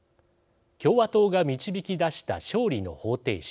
共和党が導き出した勝利の方程式。